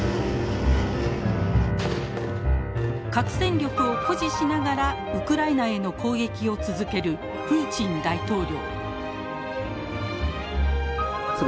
核戦力を誇示しながらウクライナへの攻撃を続けるプーチン大統領。